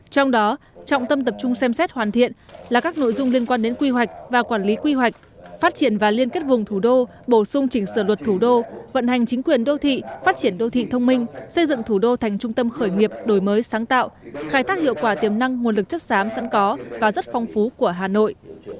trong đó trọng tâm tập trung xem xét hoàn thiện là các nội dung liên quan đến quy hoạch và quản lý quy hoạch phát triển và liên kết vùng thủ đô bổ sung chỉnh sửa luật thủ đô vận hành chính quyền đô thị phát triển đô thị thông minh xây dựng thủ đô thành trung tâm khởi nghiệp đổi mới sáng tạo khai thác hiệu quả tiềm năng nguồn lực chất xám sẵn có và rất phong phú của hà nội